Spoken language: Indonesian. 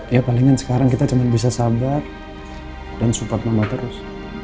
ya palingan sekarang kita cuma bisa sabar dan support nama terus